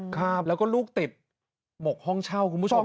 ครับแล้วก็ลูกติดหมกห้องเช่าคุณผู้ชม